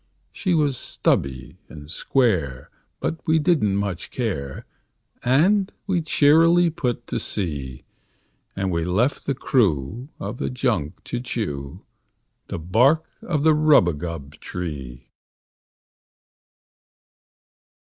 She was stubby and square, but we didn't much care, And we cheerily put to sea; And we left the crew of the junk to chew The bark of the rubagub tree.